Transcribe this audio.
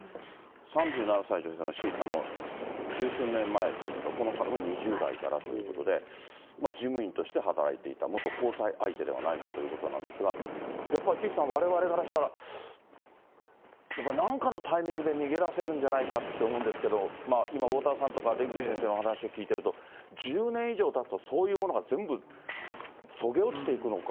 ３７歳女性のＣさんも、十数年前ですから、この方も２０代からということで、事務員として働いていた、元交際相手ではないかということなんですが、やっぱり岸さん、われわれからしたら、やっぱりなんかのタイミングで、逃げ出せるんじゃないかと思うんですけど、今、おおたわさんとか出口先生の話を聞いていると、１０年以上たつとそういうものが全部そげ落ちていくのか。